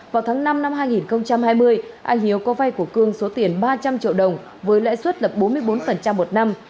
vào tháng năm năm hai nghìn hai mươi anh hiếu có vay của cương số tiền ba trăm linh triệu đồng với lãi suất lập bốn mươi bốn một năm